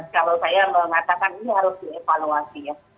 kalau saya mengatakan ini harus dievaluasi ya